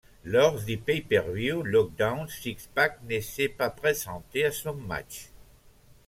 Lors du Pay Per View Lockdown, Syxx-Pac ne s'est pas présenté à son match.